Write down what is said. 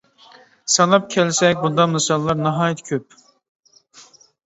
ساناپ كەلسەك بۇنداق مىساللار ناھايىتى كۆپ.